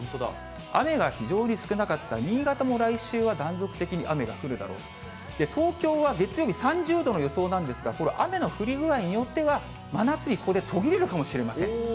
雨が非常に少なかった新潟も来週は断続的に雨が降るだろうと、東京は月曜日３０度の予想なんですが、これ、雨の降り具合によっては真夏日、ここで途切れるかもしれません。